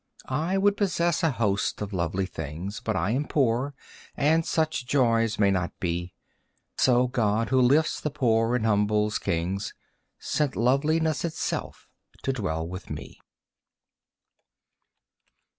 I would possess a host of lovely things, But I am poor and such joys may not be. So God who lifts the poor and humbles kings Sent loveliness itself to dwell with me.